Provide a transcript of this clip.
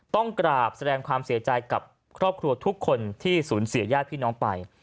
ต้องกราบแสดงความเสียใจกับครอบครัวทุกคนที่สูญเสียญาติพี่น้องไป